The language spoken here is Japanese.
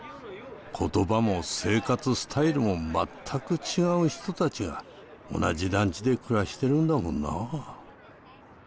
言葉も生活スタイルも全く違う人たちが同じ団地で暮らしてるんだもんな。